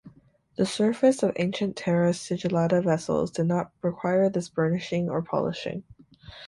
The surface of ancient terra sigillata vessels did not require this burnishing or polishing.